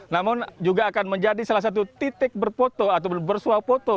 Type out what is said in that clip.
namun juga akan menjadi salah satu titik berfoto atau bersuap foto